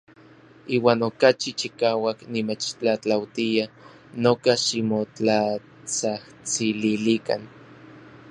Iuan okachi chikauak nimechtlatlautia noka ximotlatsajtsililikan.